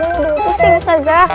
udah pusing ustazah